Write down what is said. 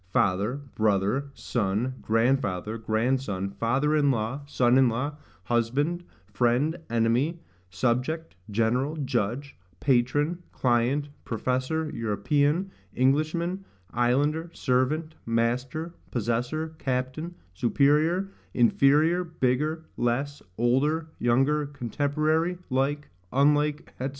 father, brother, son, grandfather, grandson, father in law, son in law, husband, friend, enemy, subject, general, judge, patron, client, professor, European, Englishman, islander, servant, master, possessor, captain, superior, inferior, bigger, less, older, younger, contemporary, like, unlike, &c.